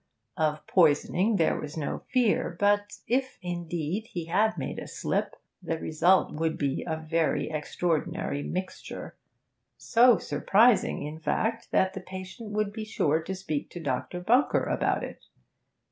Of poisoning there was no fear, but, if indeed he had made a slip, the result would be a very extraordinary mixture; so surprising, in fact, that the patient would be sure to speak to Dr. Bunker about it.